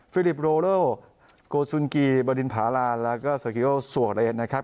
ฟิลิปโรโลโกซุนกีบรินพารานแล้วก็สวรรค์นะครับ